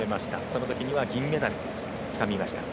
そのときには銀メダルをつかみました。